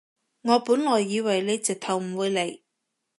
我本來以為你直頭唔會嚟